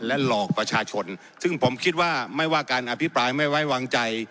และหลอกประชาชนซึ่งผมคิดว่าไม่ว่าการอภิปรายไม่ไว้วางใจ